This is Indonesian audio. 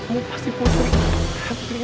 kamu pasti putri